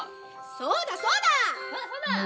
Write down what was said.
そうだそうだ！